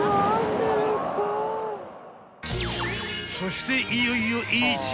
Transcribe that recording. ［そしていよいよ１位］